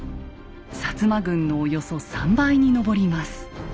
摩軍のおよそ３倍に上ります。